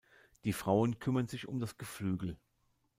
Die Frauen kümmern sich um das Geflügel.